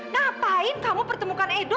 ngapain kamu pertemukan edo